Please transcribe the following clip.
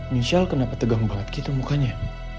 michelle kenapa tegang banget gitu mukanya